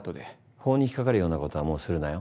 法に引っ掛かるようなことはもうするなよ。